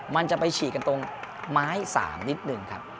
มันจะไปฉีกกันตรงไม้๓นิดนึงครับ